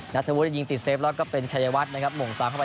นัทธวุฒิยิงติดเซฟแล้วก็เป็นชัยวัดนะครับหม่งซ้ำเข้าไป